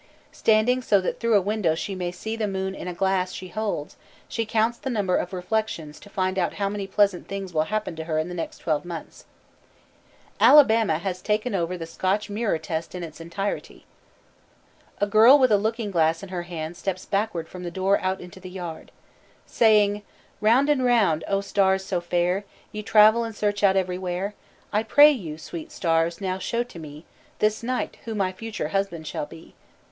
Standing so that through a window she may see the moon in a glass she holds, she counts the number of reflections to find out how many pleasant things will happen to her in the next twelve months. Alabama has taken over the Scotch mirror test in its entirety. A girl with a looking glass in her hand steps backward from the door out into the yard. Saying: "Round and round, O stars so fair! Ye travel, and search out everywhere. I pray you, sweet stars, now show to me, This night, who my future husband shall be!"